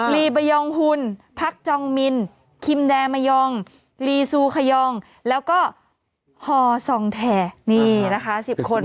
ลีบายองหุ่นพักจองมินคิมแดมะยองลีซูขยองแล้วก็ฮอซองแทนี่นะคะ๑๐คน